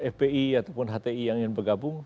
fpi ataupun hti yang ingin bergabung